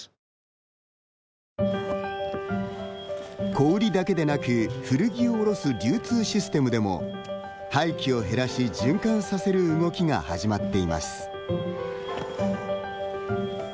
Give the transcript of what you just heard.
小売りだけでなく古着を卸す流通システムでも廃棄を減らし循環させる動きが始まっています。